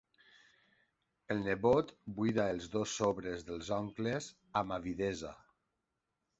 El nebot buida els dos sobres dels oncles amb avidesa.